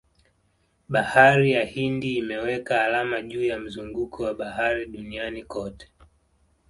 Bahari ya Hindi imeweka alama juu ya mzunguko wa bahari duniani kote